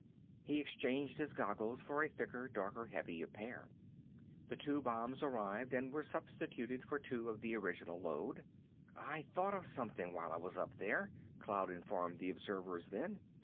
He exchanged his goggles for a thicker, darker, heavier pair. The two bombs arrived and were substituted for two of the original load. "I thought of something while I was up there," Cloud informed the observers then.